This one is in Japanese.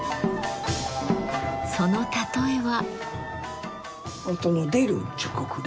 その例えは。